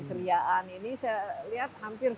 keriaan ini saya lihat hampir